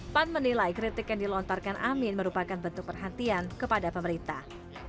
pan menilai kritik yang dilontarkan amin merupakan bentuk perhatian kepada pemerintah